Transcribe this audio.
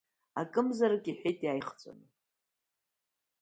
Акымзарак, – иҳәеит иаахҵәаны.